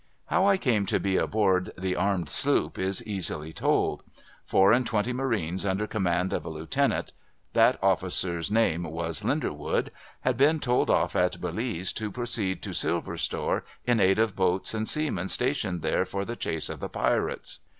How I came to be aboard the armed sloop, is easily told. Four and twenty marines under command of a lieutenant — that officer's name was Linderwood — had been told off at Belize, to proceed to Silver Store, in aid of boats and seamen stationed there for the chase of the Pirates.